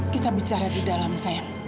kita bicara di dalam sayang